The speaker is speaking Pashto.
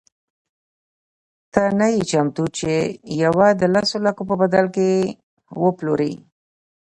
ته نه یې چمتو چې یوه د لسو لکو په بدل کې وپلورې.